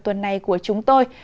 tuần này của chúng tôi